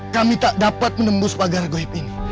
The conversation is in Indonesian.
kami tak dapat menembus pagar goib ini